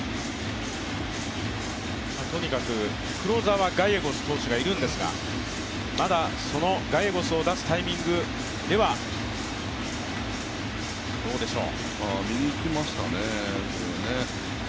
とにかく、クローザーはガイエゴス投手がいるのですがまだそのガイエゴスを出すタイミングでは、どうでしょう。